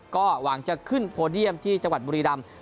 ก็หวังจะขึ้นโพเดียมที่จังหวัดบุรีรำ